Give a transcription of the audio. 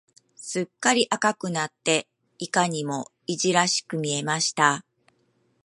すっかり赤くなって、いかにもいじらしく見えました。